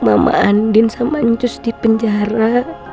mama andin sama ncus di penjara